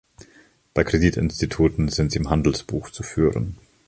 Bei Kreditinstituten sind sie im Handelsbuch zu führen.